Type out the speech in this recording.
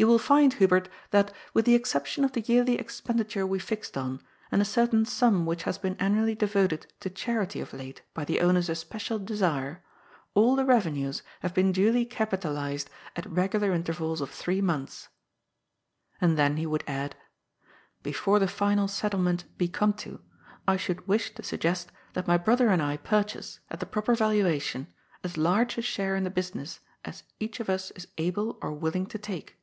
You will find, Hubert, that, with the exception of the yearly expendi ture we fixed on, and a certain sum which has been annual ly devoted to charity of late by the owner's especial desire, all the revenues have been duly capitalized at regular inter vals of three months." And then he would add :^^ Before the final settlement be come to, I should wish to suggest that my brother and I purchase, at the proper valuation, as large a share in the business as each of us is able or willing to take."